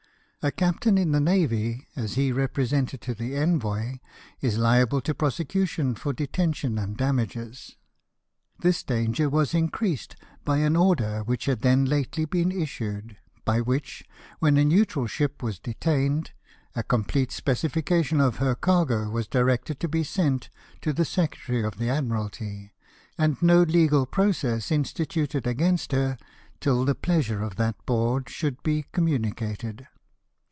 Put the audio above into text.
A captain in the navy, as he represented to the envoy, is liable to prosecution for detention and damages. This danger was increased . by an order which had then lately been issued ; by which, when a neutral ship was detained, a com plete specification of her cargo was directed to be sent to the Secretary of the Admiralty, and no legal process instituted against her till the pleasure of that Board should be communicated.